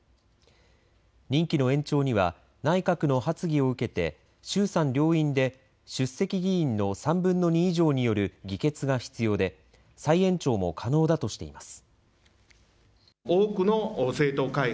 任期の延長には内閣の発議を受けて衆参両院で出席議員の３分の２以上による議決が必要で再延長も可能だとしています。